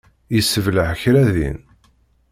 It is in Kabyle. Yessebleɛ kra din.